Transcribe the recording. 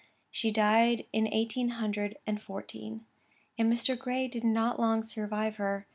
She died in eighteen hundred and fourteen, and Mr. Gray did not long survive her.